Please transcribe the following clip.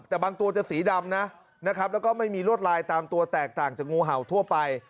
แต่บางตัวจะสีดำนะนะครับแล้วก็ไม่มีลวดลายตามตัวแตกต่างจากงูเห่าทั่วไป